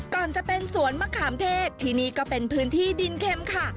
ก่อนจะเป็นสวนมะขามเทศที่นี่ก็เป็นพื้นที่ดินเข็มค่ะ